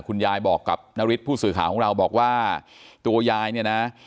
คุณยายบอกกับนฤทธิผู้สื่อข่าวของเราบอกว่าตัวยายเนี่ยนะ